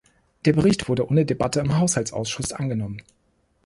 Der Bericht wurde ohne Debatte im Haushaltsausschuss angenommen.